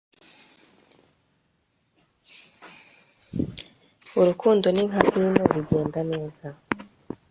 urukundo ni nka vino bigenda neza